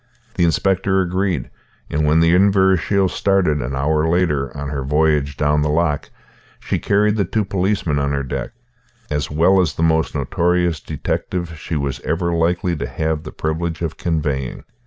The inspector agreed; and when the Inverashiel started, an hour later, on her voyage down the loch, she carried the two policemen on her deck, as well as the most notorious detective she was ever likely to have the privilege of conveying.